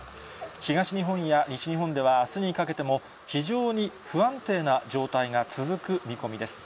東日本や西日本では、あすにかけても、非常に不安定な状態が続く見込みです。